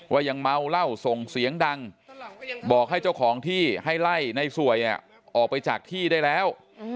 ยังเมาเหล้าส่งเสียงดังบอกให้เจ้าของที่ให้ไล่ในสวยออกไปจากที่ได้แล้ว